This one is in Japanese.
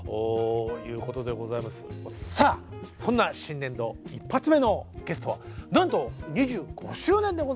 さあそんな新年度一発目のゲストはなんと２５周年でございます。